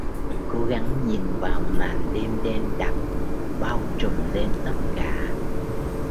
Cố gắng nhìn vào màn đêm đen đặc, bao trùm lên tất cả